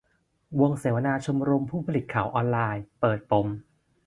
วงเสวนาชมรมผู้ผลิตข่าวออนไลน์ เปิดปม